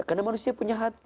karena manusia punya hati